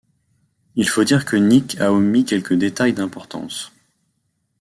Il faut dire que Nick a omis quelques détails d'importance.